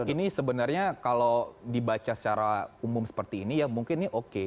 ini sebenarnya kalau dibaca secara umum seperti ini ya mungkin ini oke